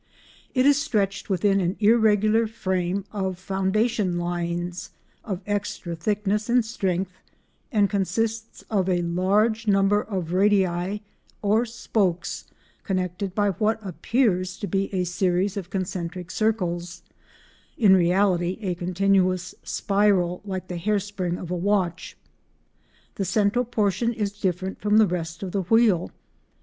It is stretched within an irregular frame of foundation lines of extra thickness and strength, and consists of a large number of radii or spokes connected by what appear to be a series of concentric circles, in reality a continuous spiral, like the hair spring of a watch. The central portion is different from the rest of the wheel.